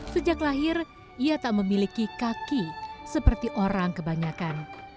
sejak lahir ia tak memiliki kaki seperti orang kebanyakan